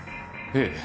ええ。